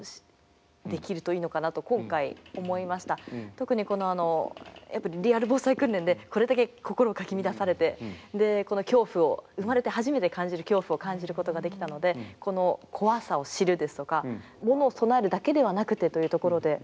特に「リアル防災訓練」でこれだけ心をかき乱されてこの恐怖を生まれて初めて感じる恐怖を感じることができたのでこの怖さを知るですとか物を備えるだけではなくてというところで心も物も。